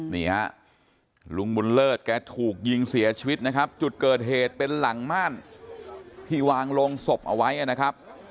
นี่ฮะลุงบุญเลิศแกถูกยิงเสียชีวิตนะครับจุดเกิดเหตุเป็นหลังม่านที่วางลงศพเอาไว้นะครับ